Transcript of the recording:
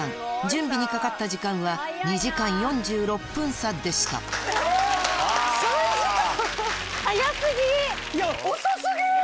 準備にかかった時間は２時間４６分差でしたえっ３時間！